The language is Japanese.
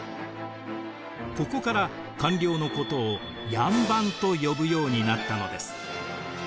ここから官僚のことを両班と呼ぶようになったのです。